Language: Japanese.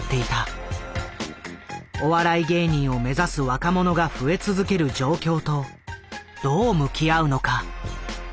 お笑い芸人を目指す若者が増え続ける状況とどう向き合うのか？